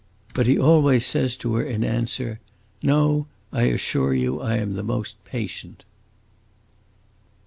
But he always says to her in answer, "No, I assure you I am the most patient!"